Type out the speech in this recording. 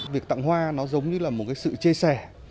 việc tặng hoa nó giống như là một cái sự chia sẻ